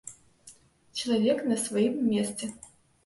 Чалавек на сваім месцы.